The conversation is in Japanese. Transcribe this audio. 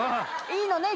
いいのね。